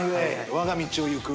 わが道を行く。